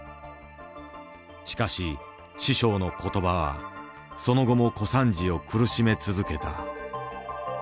しかし師匠の言葉はその後も小三治を苦しめ続けた。